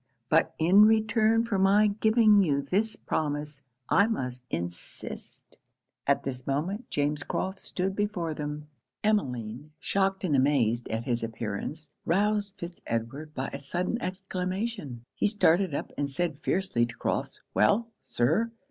But in return for my giving you this promise, I must insist' At this moment James Crofts stood before them. Emmeline, shocked and amazed at his appearance, roused Fitz Edward by a sudden exclamation. He started up, and said fiercely to Crofts 'Well, Sir!